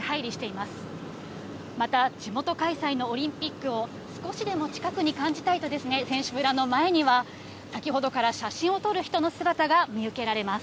また地元開催のオリンピックを、少しでも近くに感じたいと、選手村の前には先ほどから写真を撮る人の姿が見受けられます。